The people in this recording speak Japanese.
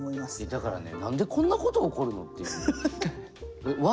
だからね何でこんなこと起こるのっていう。